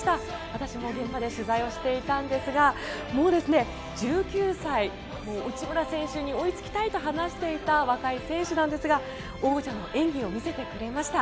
私も現場で取材をしていたんですがもう１９歳、内村選手に追いつきたいと話していた若い選手なんですが王者の演技を見せてくれました。